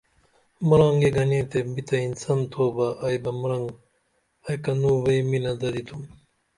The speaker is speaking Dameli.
مرانگے گنے تے بی تہ انسن تھوبہ ائی بہ مرنگ ائی کنو بئی مینہ ددی تھوم